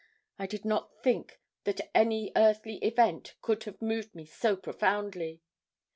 I did not think that any earthly event could have moved me so profoundly.